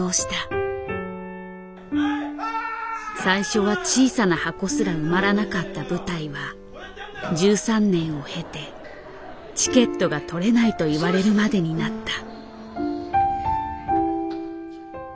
最初は小さな箱すら埋まらなかった舞台は１３年を経てチケットが取れないと言われるまでになった。